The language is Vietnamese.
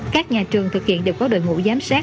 các nhà trường thực hiện đều có đội ngũ giám sát